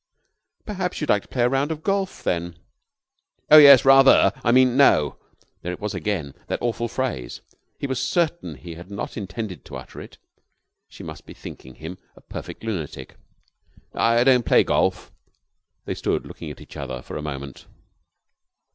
"Perhaps you'd like to play a round of golf, then?" "Oh, yes, rather! I mean, no." There it was again, that awful phrase. He was certain he had not intended to utter it. She must be thinking him a perfect lunatic. "I don't play golf." They stood looking at each other for a moment.